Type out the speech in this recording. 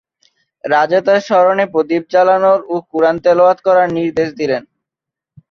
রাজা তাঁর স্মরণে প্রদীপ জ্বালানোর ও কুরআন তেলাওয়াত করার নির্দেশ দিলেন।